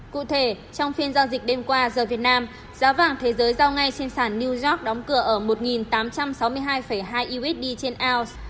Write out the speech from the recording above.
cụ thể trong phiên giao dịch đêm qua giờ việt nam giá vàng thế giới giao ngay trên sản new york đóng cửa ở một tám trăm sáu mươi hai hai id trên ounce